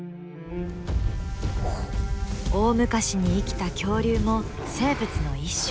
大昔に生きた恐竜も生物の一種。